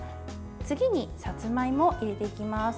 次にさつまいもを入れていきます。